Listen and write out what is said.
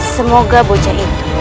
semoga bocah itu